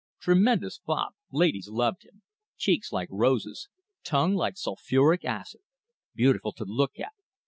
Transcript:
Tremendous fop ladies loved him cheeks like roses tongue like sulphuric acid. Beautiful to look at.